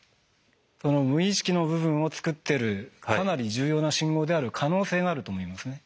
その無意識の部分をつくってるかなり重要な信号である可能性があると思いますね。